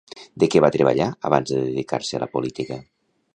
De què va treballar abans de dedicar-se a la política?